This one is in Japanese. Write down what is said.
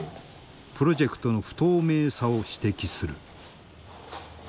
プロジェクトの不透明さを指摘する。